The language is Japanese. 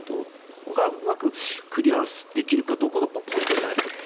ここをどうクリアできるかがポイントじゃないですか。